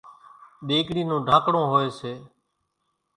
ۮيڳڙِي نون ڍانڪڙون هوئيَ سي۔